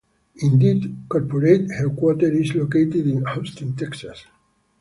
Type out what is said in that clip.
Indeed Corporate Headquarters is located in Austin, Texas.